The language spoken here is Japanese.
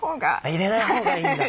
入れない方がいいんだ。